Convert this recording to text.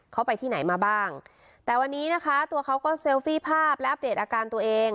เขาไปที่ไหนมาบ้างแต่วันนี้นะคะตัวเขาก็เซลฟี่ภาพและอัปเดตอาการตัวเอง